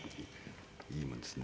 いいもんですね。